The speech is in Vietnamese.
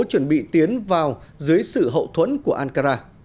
chuẩn bị tiến vào dưới sự hậu trang